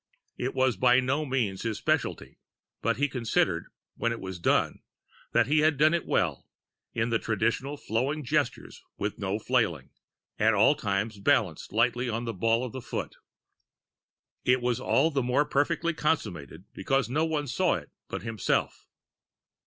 It was by no means his specialty, but he considered, when it was done, that he had done it well, in the traditional flowing gestures, with no flailing, at all times balanced lightly on the ball of the foot. It was all the more perfectly consummated because no one saw it but himself.